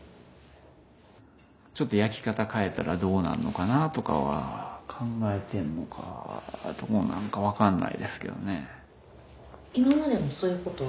ちょっと焼き方変えたらどうなるのかなとかは考えてんのかはどうなのか分かんないですけどね。